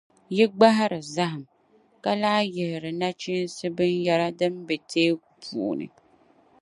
Yi gbahiri zahim, ka lahi yihiri nachinsi binyεra din be Teeku puuni.